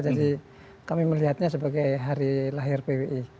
jadi kami melihatnya sebagai hari lahir pwi